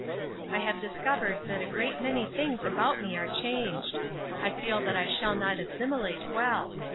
I have discovered that a great many things about me are changed. I feel that I shall not assimilate well.